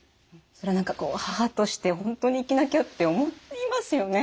それは何か母として本当に生きなきゃって思いますよね。